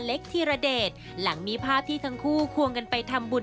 ซึ่งขนก็พุ่งเป้าไปที่ออมสุชาและแอมพิทาน